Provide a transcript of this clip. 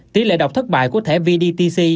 tỷ lệ đọc thất bại của thẻ vdtc